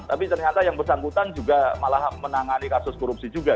tapi ternyata yang bersangkutan juga malah menangani kasus korupsi juga